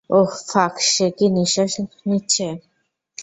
ওহ, fuck, সে কি শ্বাস নিচ্ছে?